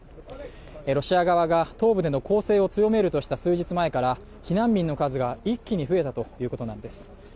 ロシア側が東部での攻勢を強めるとした数日前から避難民の数が一気に増えたということなんです。